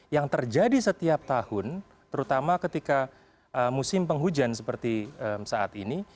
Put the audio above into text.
yang terjadi setiap tahun terutama ketika musim penghujan seperti saat ini